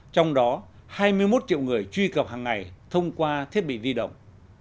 trong đó hai mươi một triệu người truy cập hàng ngày thông qua thiết bị di động